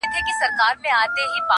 خره یې وروڼه وه آسونه یې خپلوان وه!!